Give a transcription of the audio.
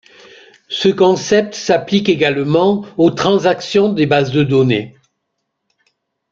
Ce concept s'applique également aux transactions des bases de données.